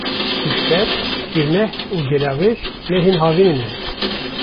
Pûşber, Tîrmeh û Gelawêj mehên havînê ne.